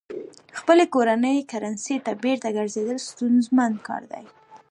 خپلې کورنۍ کرنسۍ ته بېرته ګرځېدل ستونزمن کار دی.